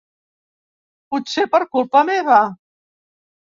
Potser per culpa meva.